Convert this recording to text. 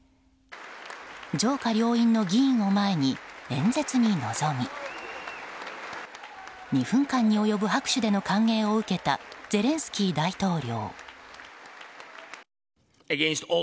上下両院の議員を前に演説に臨み２分間に及ぶ拍手での歓迎を受けたゼレンスキー大統領。